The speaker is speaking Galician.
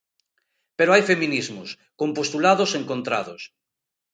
Pero hai feminismos, con postulados encontrados.